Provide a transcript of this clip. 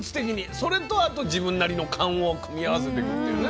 それとあと自分なりの勘を組み合わせてくっていうね。